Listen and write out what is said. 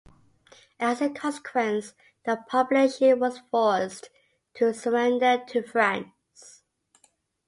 As a consequence, the population was forced to surrender to France.